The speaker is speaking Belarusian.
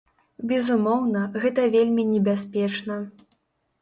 Безумоўна, гэта вельмі небяспечна.